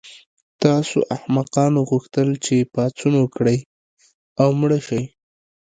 تاسو احمقانو غوښتل چې پاڅون وکړئ او مړه شئ